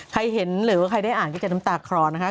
ใครเห็นหรือว่าใครได้อ่านก็จะน้ำตาคลอนะคะ